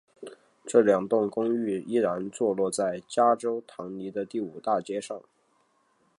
这两栋公寓依然坐落在加州唐尼的第五大街上。